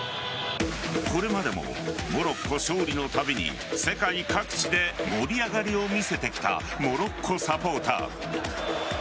これまでもモロッコ勝利のたびに世界各地で盛り上がりを見せてきたモロッコサポーター。